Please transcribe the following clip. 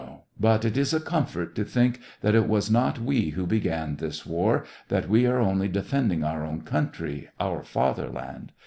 But it is a comfort to think that it was not we who began this war, that we are only defending our own country, our fath er land.